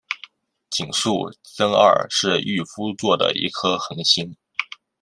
井宿增二是御夫座的一颗恒星。